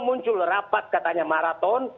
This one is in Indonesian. muncul rapat katanya maraton